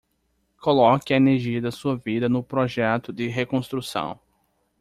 Coloque a energia da sua vida no projeto de reconstrução